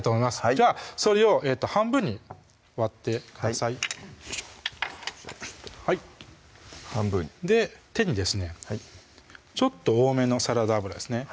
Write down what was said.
じゃあそれを半分に割ってください手にですねちょっと多めのサラダ油ですね